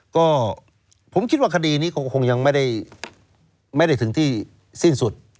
ก็ผมคิดว่าคดีนี้ก็คงยังไม่ได้ถึงที่สิ้นสุด